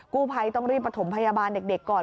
กู้ภัยต้องรีบประถมพยาบาลเด็กก่อน